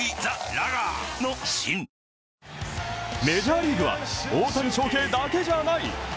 メジャーリーグは、大谷翔平だけじゃない！